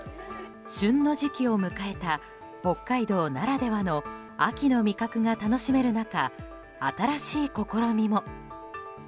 旬の時期を迎えた北海道ならではの秋の味覚が楽しめる中新しい試みも。